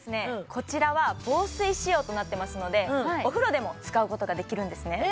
こちらは防水仕様となってますのでお風呂でも使うことができるんですね